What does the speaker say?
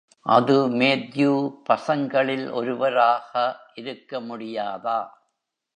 அது மேத்யு பசங்களில் ஒருவராக இருக்க முடியாதா?